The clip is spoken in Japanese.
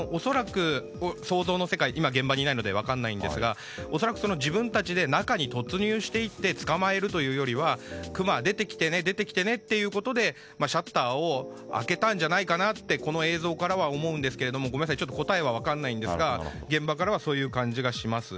想像の世界、今現場にいないので分からないですが恐らく、自分たちで中に突入していって捕まえるというよりはクマ、出てきてねということでシャッターを開けたんじゃないかとこの映像からは思うんですが答えは分からないんですが現場からはそういう感じがします。